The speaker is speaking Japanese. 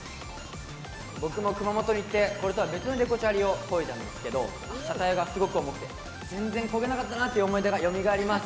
僕も熊本に行ってこれとは別のデコチャリをこいだんですけど車体がすごく重くて全然こげなかったなっていう思い出がよみがえります。